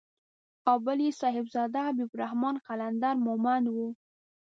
او بل يې صاحبزاده حبيب الرحمن قلندر مومند و.